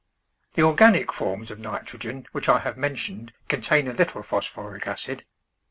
The organic forms of nitrogen, which I have mentioned, contain a little phosphoric acid.